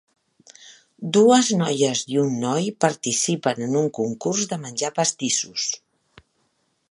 Dues noies i un noi participen en un concurs de menjar pastissos.